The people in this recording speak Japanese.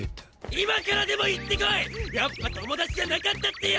今からでも言ってこいやっぱ友達じゃなかったってよ！